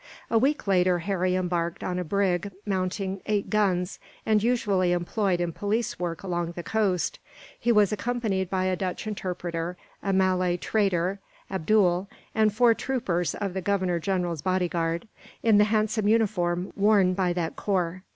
A week later, Harry embarked on a brig mounting eight guns, and usually employed in police work along the coast. He was accompanied by a Dutch interpreter, a Malay trader, Abdool, and four troopers of the Governor General's bodyguard, in the handsome uniform worn by that corps.